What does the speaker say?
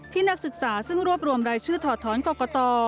นักศึกษาซึ่งรวบรวมรายชื่อถอดท้อนกรกต